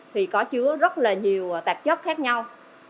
thì có chứa rất nhiều tạp chất khác nhau